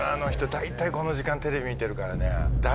大体この時間テレビ見てるからね。